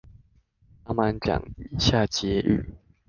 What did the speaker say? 幫忙講一下結語